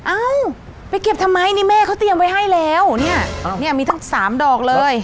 เอ้าไปเก็บทำไมนี่แม่เขาเตรียมไว้ให้แล้วเนี่ยเนี่ยมีทั้งสามดอกเลย